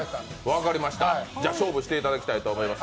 分かりました、では勝負していただきたいと思います。